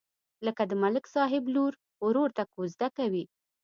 لکه د ملک صاحب لور ورور ته کوزده کوي.